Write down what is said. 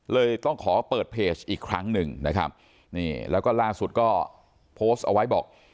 เลยต้องขอเปิดเพจอีกครั้งหนึ่งนะครับนี่แล้วก็ล่าสุดก็โพสต์เอาไว้บอก